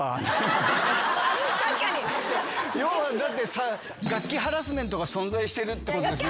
要はだって楽器ハラスメントが存在してるってことですよね？